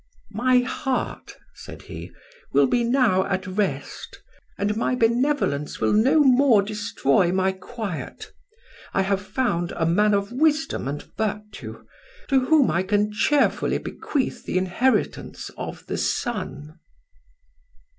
'My heart,' said he, 'will be now at rest, and my benevolence will no more destroy my quiet; I have found a man of wisdom and virtue, to whom I can cheerfully bequeath the inheritance of the sun.